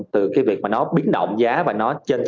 từ cái việc mà nó biến động giá và nó chênh lên